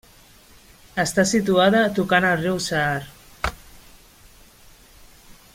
Està situada tocant el riu Saar.